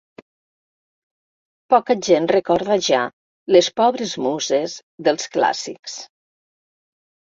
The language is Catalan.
Poca gent recorda ja les pobres muses dels clàssics.